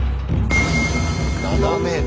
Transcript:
７ｍ。